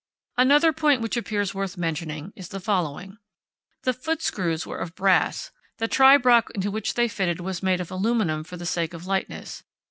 Another point which appears worth mentioning is the following: The foot screws were of brass, the tribrach, into which they fitted, was made of aluminium for the sake of lightness.